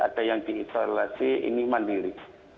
ada yang diisolasi ini mandiri